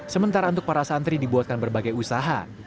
sementara untuk para santri dibuatkan berbagai usaha